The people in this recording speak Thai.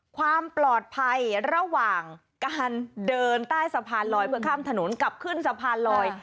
ความปลอดภัยระหว่างการเดินใต้สะพานลอยเพื่อข้ามถนนกลับขึ้นสะพานลอย